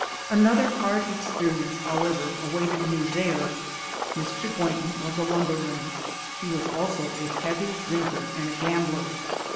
Another hard experience, however, awaited me there. Mr. Boynton was a lumberman; he was also a heavy drinker and a gambler.